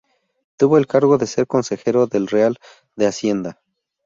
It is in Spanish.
Tuvo el cargo de ser Consejero del Real de Hacienda.